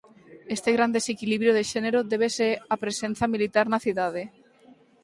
Este gran desequilibrio de xénero débese á presenza militar na cidade.